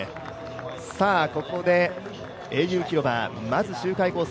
ここで英雄広場、まず周回コース